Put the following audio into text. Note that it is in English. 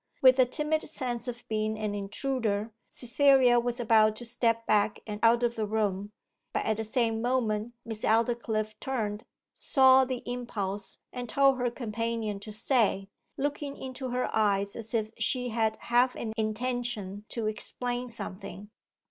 With a timid sense of being an intruder Cytherea was about to step back and out of the room; but at the same moment Miss Aldclyffe turned, saw the impulse, and told her companion to stay, looking into her eyes as if she had half an intention to explain something.